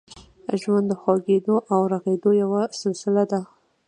ژوند د خوږېدو او رغېدو یوه سلسله ده.